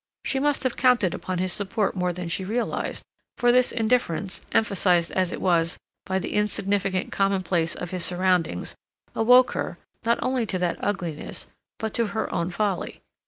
She must have counted upon his support more than she realized, for this indifference, emphasized, as it was, by the insignificant commonplace of his surroundings, awoke her, not only to that ugliness, but to her own folly.